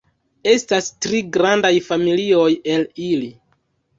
Estas tri grandaj familioj el ili.